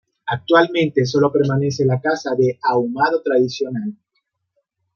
Actualmente solo permanece la casa de ahumado tradicional.